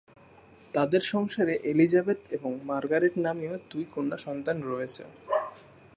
তাদের সংসারে এলিজাবেথ এবং মার্গারেট নামীয় দুই কন্যা সন্তান রয়েছে।